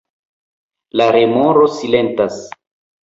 La remoro silentas.